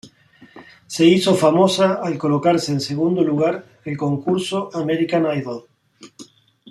Se hizo famosa al colocarse en segundo lugar en el concurso "American Idol".